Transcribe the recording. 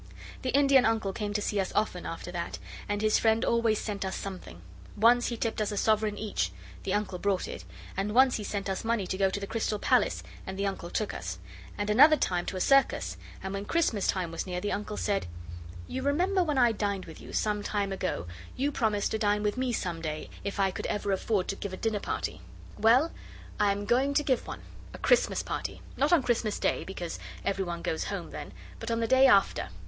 The Indian Uncle came to see us often after that, and his friend always sent us something. Once he tipped us a sovereign each the Uncle brought it; and once he sent us money to go to the Crystal Palace, and the Uncle took us; and another time to a circus; and when Christmas was near the Uncle said 'You remember when I dined with you, some time ago, you promised to dine with me some day, if I could ever afford to give a dinner party. Well, I'm going to have one a Christmas party. Not on Christmas Day, because every one goes home then but on the day after.